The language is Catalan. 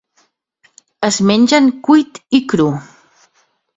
Es mengen cuit i cru.